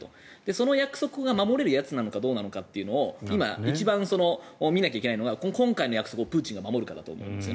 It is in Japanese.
その約束が守れるやつなのかどうなのかを今、一番見なきゃいけないのが今回の約束をプーチンが守るかどうかだと思います。